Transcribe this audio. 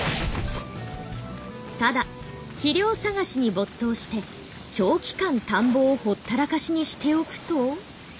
ただ肥料探しに没頭して長期間田んぼをほったらかしにしておくと。